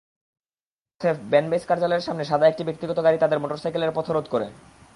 পথে ব্যানবেইস কার্যালয়ের সামনে সাদা একটি ব্যক্তিগত গাড়ি তাঁদের মোটরসাইকেলের পথরোধ করে।